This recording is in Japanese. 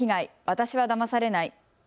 私はだまされない。